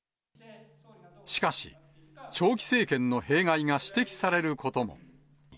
しかし、長期政権の弊害が指摘されることも。